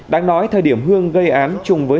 đáng nói thời điểm hương gây án chung với